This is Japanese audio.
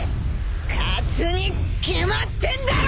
勝つに決まってんだろ！